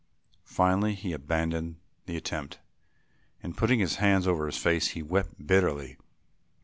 Finally he abandoned the attempt and, putting his hands over his face, he wept bitterly.